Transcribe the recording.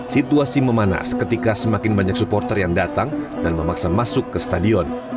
situasi memanas ketika semakin banyak supporter yang datang dan memaksa masuk ke stadion